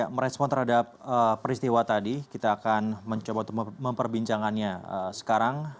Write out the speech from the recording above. merespon terhadap peristiwa tadi kita akan mencoba untuk memperbincangannya sekarang